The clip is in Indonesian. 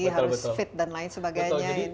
harus fit dan lain sebagainya